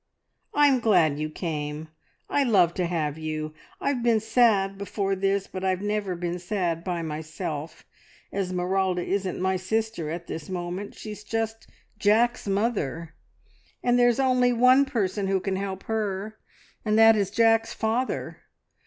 "I'm glad you came; I love to have you. I've been sad before this, but I've never been sad by myself! Esmeralda isn't my sister at this moment, she's just Jack's mother, and there's only one person who can help her, and that is Jack's father.